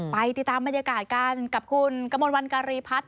ไปติดตามบรรยากาศกันกับคุณกระมวลวันการีพัฒน์